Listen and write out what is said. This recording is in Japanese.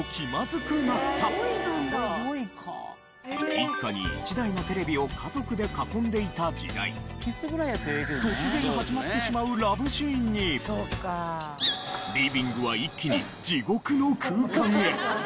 一家に一台のテレビを家族で囲んでいた時代突然始まってしまうラブシーンにリビングは一気に地獄の空間へ！